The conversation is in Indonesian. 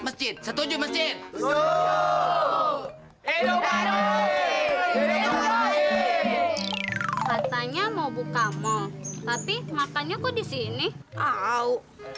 mesjid setuju mesjid suhu hidup baik katanya mau buka mall tapi makannya kok di sini au